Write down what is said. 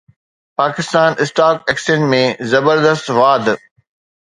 Pakistan stock exchange ۾ زبردست واڌ